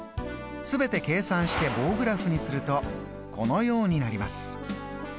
全て計算して棒グラフにするとこのようになります。